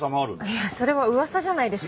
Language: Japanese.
いやそれは噂じゃないですか。